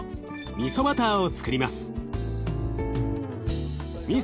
みそバターをつくります。